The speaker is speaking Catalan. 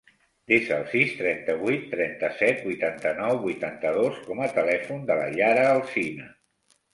Desa el sis, trenta-vuit, trenta-set, vuitanta-nou, vuitanta-dos com a telèfon de la Yara Alsina.